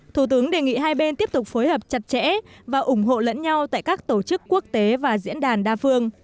thủ tướng đề nghị hai bên tiếp tục phối hợp chặt chẽ và ủng hộ lẫn nhau tại các tổ chức quốc tế và diễn đàn đa phương